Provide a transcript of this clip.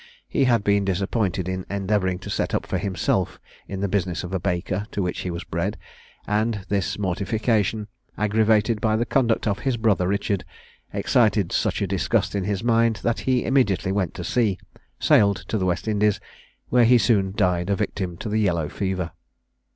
He had been disappointed in endeavouring to set up for himself in the business of a baker to which he was bred; and this mortification, aggravated by the conduct of his brother Richard, excited such a disgust in his mind, that he immediately went to sea, sailed to the West Indies, where he soon died a victim to the yellow fever.